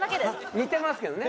似てますけどね。